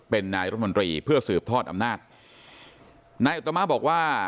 เป็นนายรัฐมนตรีเพื่อสืบทอดอำนาจนายอุตมะบอกว่า